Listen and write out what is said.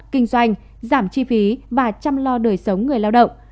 kinh doanh giảm chi phí và chăm lo đời sống người lao động